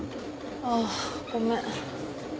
ああごめん。